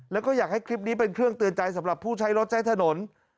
แล้วก็อยากให้คลิปนี้เป็นเครื่องเตือนใจสำหรับผู้ใช้รถใช้ถนน